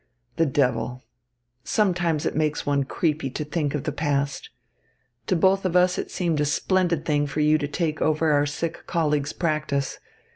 The devil! Sometimes it makes one creepy to think of the past. To both of us it seemed a splendid thing for you to take over our sick colleague's practice.